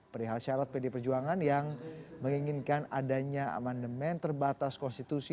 perihal syarat pd perjuangan yang menginginkan adanya amandemen terbatas konstitusi